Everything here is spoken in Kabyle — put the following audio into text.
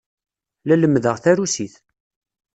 La lemmdeɣ tarusit.